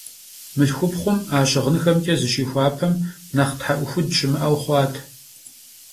Mılhxupxhum a şığınxemç'e şızixuepam nexh the'uxud şımı'eu xhuat.